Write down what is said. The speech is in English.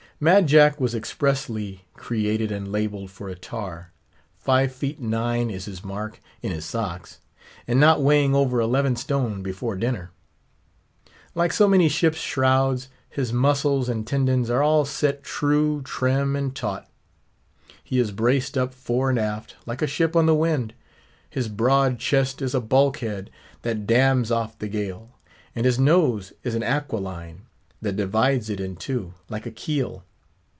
Mad Jack was expressly created and labelled for a tar. Five feet nine is his mark, in his socks; and not weighing over eleven stone before dinner. Like so many ship's shrouds, his muscles and tendons are all set true, trim, and taut; he is braced up fore and aft, like a ship on the wind. His broad chest is a bulkhead, that dams off the gale; and his nose is an aquiline, that divides it in two, like a keel.